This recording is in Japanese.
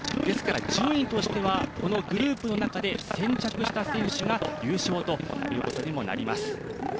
ですから順位としてはグループの中で先着した選手が優勝ということにもなります。